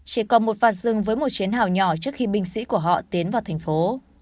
chỉ còn một phạt dừng với một chiến hào nhỏ trước khi binh sĩ của họ tiến vào thành phố